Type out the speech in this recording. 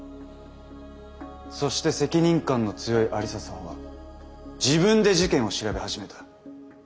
そして責任感の強い愛理沙さんは自分で事件を調べ始めた。